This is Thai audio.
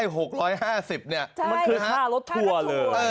มันคือค่ารถทัวร์เลย